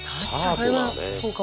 それはそうかも。